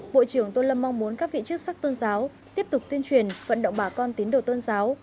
bộ trưởng tô lâm mong muốn các vị chức sắc tôn giáo tiếp tục tuyên truyền vận động bà con tín đồ tôn giáo